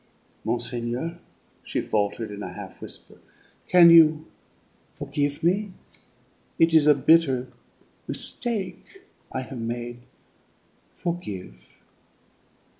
"Monseigneur," she faltered in a half whisper, "can you forgive me? It is a bitter mistake I have made. Forgive."